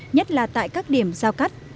nhất là tại các điểm giao cắt